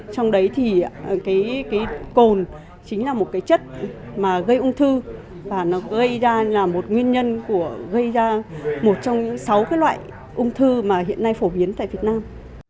trong đấy cồn chính là một chất gây ung thư và gây ra một trong sáu loại ung thư hiện nay phổ biến tại việt nam